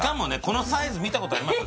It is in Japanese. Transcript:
このサイズ見たことあります？